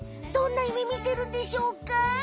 どんなゆめみてるんでしょうか？